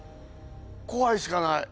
怖いしかない。